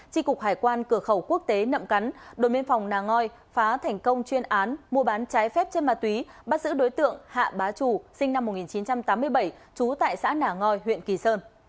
tri cục hải quan cửa khẩu quốc tế nậm cắn đồn biên phòng nà ngoi phá thành công chuyên án mua bán trái phép trên ma túy bắt giữ đối tượng hạ bá trù sinh năm một nghìn chín trăm tám mươi bảy trú tại xã nà ngoi huyện kỳ sơn